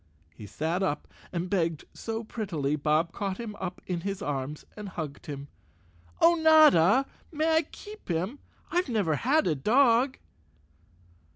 He sat up and begged so prettily Bob caught him up in his arms and hugged him. "Oh, Notta, may I keep him? I've never had a dog!"